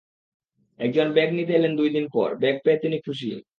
একজন ব্যাগ নিতে এলেন দুই দিন পর, ব্যাগ পেয়ে তিনি খুশি।